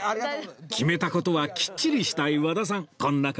決めた事はきっちりしたい和田さん